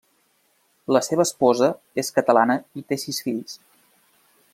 La seva esposa és catalana i té sis fills.